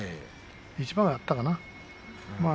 一番はあったかな？